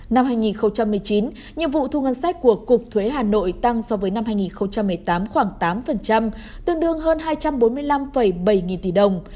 năm hai nghìn một mươi chín nhiệm vụ thu ngân sách của cục thuế hà nội tăng so với năm hai nghìn một mươi tám khoảng tám tương đương hơn hai trăm bốn mươi năm bảy nghìn tỷ đồng